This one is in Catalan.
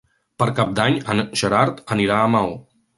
Per Cap d'Any en Gerard anirà a Maó.